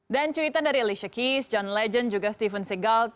dan cuitan dari alicia keys john legend juga steven seagal